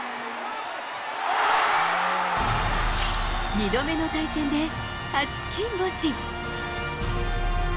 ２度目の対戦で初金星。